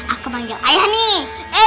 aku panggil ayah nih